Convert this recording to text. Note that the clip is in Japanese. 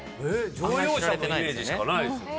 乗用車のイメージしかないですもんね。